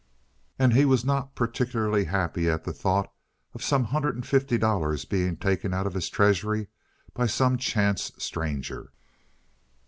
And he was not particularly happy at the thought of some hundred and fifty dollars being taken out of his treasury by some chance stranger.